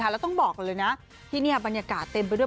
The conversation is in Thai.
แล้วต้องบอกก่อนเลยนะที่นี่บรรยากาศเต็มไปด้วย